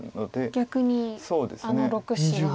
逆にあの６子が。